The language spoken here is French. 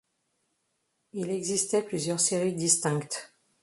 Il existait plusieurs séries distinctes.